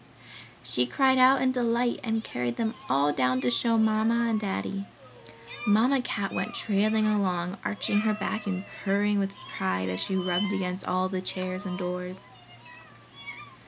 She cried out in delight and carried them all down to show to Mamma and Daddy. Mamma Cat went trailing along, arching her back and purring with pride as she rubbed against all the chairs and doors.